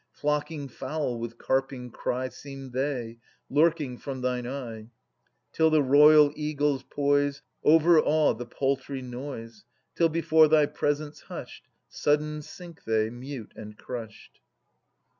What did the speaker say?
Flocking fowl with carping cry Seem they, lurking from thine eye ; Till the royal eagle's poise Overawe the paltry noise : Till before thy presence hushed Sudden sink they, mute and crushed.